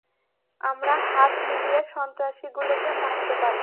আমরা হাত মিলিয়ে সন্ত্রাসীগুলোকে মারতে পারব।